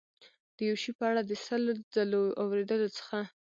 د یو شي په اړه د سل ځلو اورېدلو څخه.